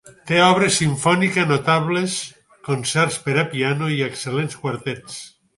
Té obra simfònica, notables concerts per a piano i excel·lents quartets.